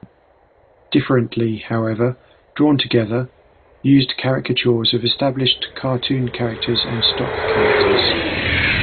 Differently, however, "Drawn Together" used caricatures of established cartoon characters and stock characters.